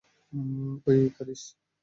ওহ, Ikaris.